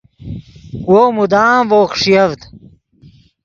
وو مدام ڤؤ خݰیڤد